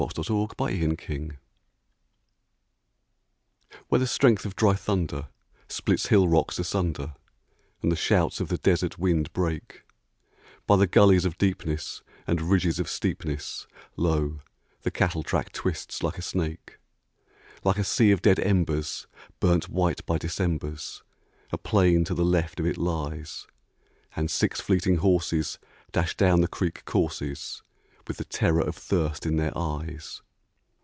On a Cattle Track Where the strength of dry thunder splits hill rocks asunder, And the shouts of the desert wind break, By the gullies of deepness and ridges of steepness, Lo, the cattle track twists like a snake! Like a sea of dead embers, burnt white by Decembers, A plain to the left of it lies; And six fleeting horses dash down the creek courses With the terror of thirst in their eyes.